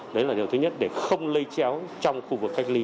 đấy là điều thứ nhất để không lây chéo trong khu vực cách ly